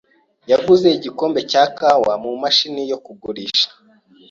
yaguze igikombe cya kawa mumashini yo kugurisha.